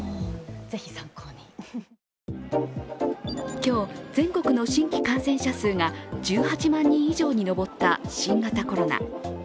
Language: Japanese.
今日、全国の新規感染者数が１８万人以上に上った新型コロナ。